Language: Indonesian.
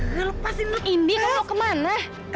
indi kamu mau kemana